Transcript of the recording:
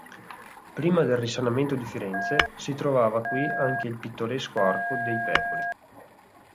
Prima del Risanamento di Firenze si trovava qui anche il pittoresco arco dei Pecori.